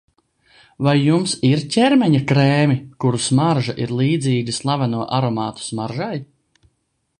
Vai jums ir ķermeņa krēmi, kuru smarža ir līdzīga slaveno aromātu smaržai?